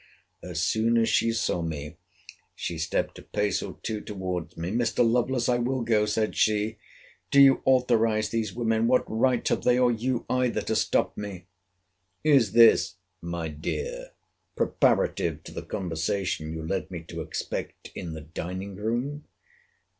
As soon as she saw me, she stept a pace or two towards me; Mr. Lovelace, I will go! said she—do you authorize these women—what right have they, or you either, to stop me? Is this, my dear, preparative to the conversation you led me to expect in the dining room?